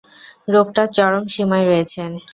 রোগটার চরম সীমায় রয়েছেন।